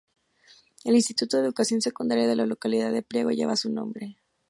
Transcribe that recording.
El Instituto de Educación Secundaria de la localidad de Priego lleva su nombre.